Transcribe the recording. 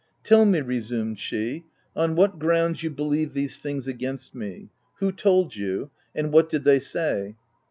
"Tell me," resumed she, "on what grounds you believe these things against me ; who told you ; and what did they say